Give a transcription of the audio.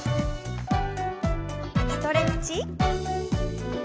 ストレッチ。